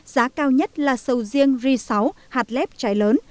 giá cao nhất là sầu riêng ri sáu hạt lép trái lớn